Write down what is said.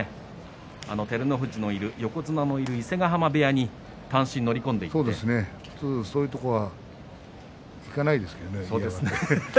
照ノ富士のいる横綱のいる伊勢ヶ濱部屋に単身普通は、そういうところはいかないですけどね。